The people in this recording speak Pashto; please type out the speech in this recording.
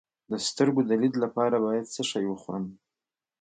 د سترګو د لید لپاره باید څه شی وخورم؟